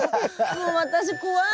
もう私怖い。